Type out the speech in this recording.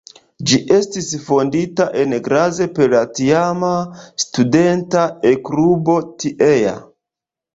Ĝi estis fondita en Graz per la tiama studenta E-klubo tiea.